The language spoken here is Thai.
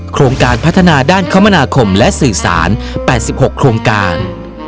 โครงการพัฒนาด้านคมนาคมและสื่อสาร๘๖โครงการ